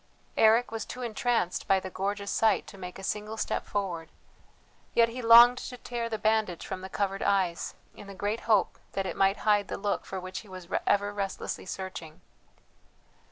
Eric was too entranced by the gorgeous sight to make a single step forward. Yet he longed to tear the bandage from the covered eyes, in the great hope that it might hide the look for which he was ever restlessly searching.